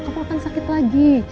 kamu akan sakit lagi